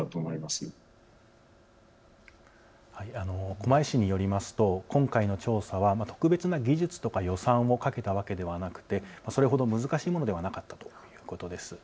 狛江市によりますと今回の調査は特別な技術とか予算をかけたわけではなくて、それほど難しいものではなかったということです。